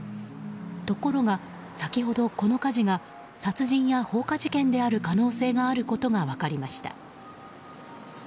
ところが先ほど、この火事が殺人や放火事件である可能性があることが分かりました。